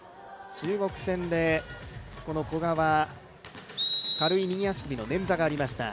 中国戦で古賀は軽い右足首の捻挫がありました。